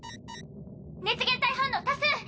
熱源体反応多数！